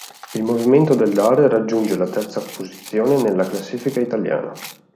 Il movimento del dare raggiunge la terza posizione nella classifica italiana.